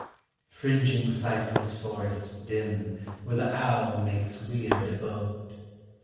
Fringing cypress forests dim Where the owl makes weird abode.